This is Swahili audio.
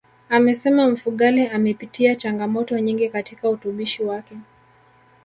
Amesema Mfugale amepitia changamoto nyingi katika utumishi wake